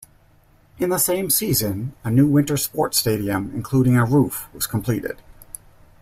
In the same season a new winter sports stadium, including a roof, was completed.